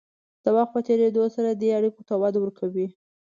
د وخت په تېرېدو سره دې اړیکو ته وده ورکړئ.